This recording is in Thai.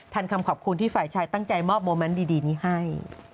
คำขอบคุณที่ฝ่ายชายตั้งใจมอบโมเมนต์ดีนี้ให้